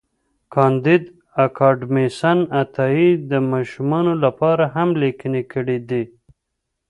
کانديد اکاډميسن عطایي د ماشومانو لپاره هم لیکني کړي دي.